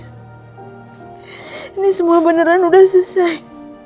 ini semua beneran sudah selesai